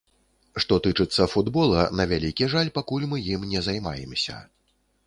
Што тычыцца футбола, на вялікі жаль, пакуль мы ім не займаемся.